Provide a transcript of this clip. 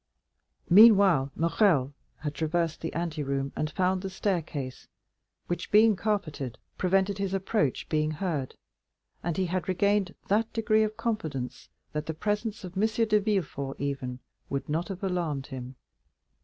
Meanwhile, Morrel had traversed the anteroom and found the staircase, which, being carpeted, prevented his approach being heard, and he had regained that degree of confidence that the presence of M. de Villefort even would not have alarmed him.